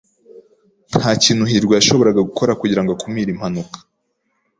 Nta kintu hirwa yashoboraga gukora kugirango akumire impanuka.